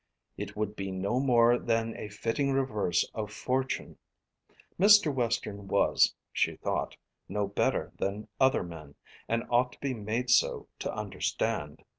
It would be no more than a fitting reverse of fortune. Mr. Western was, she thought, no better than other men, and ought to be made so to understand.